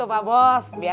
aku menyail dia